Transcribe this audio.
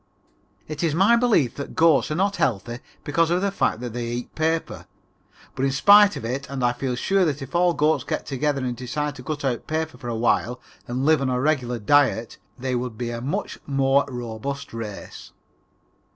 It is my belief that goats are not healthy because of the fact that they eat paper, but in spite of it, and I feel sure that if all goats got together and decided to cut out paper for a while and live on a regular diet, they would be a much more robust race.